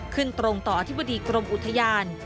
ขึ้นตรงต่ออธิบดีกรมอุทยาน